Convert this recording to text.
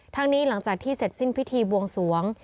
นี้หลังจากที่เสร็จสิ้นพิธีบวงสวง